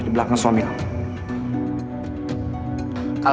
di belakang suaminya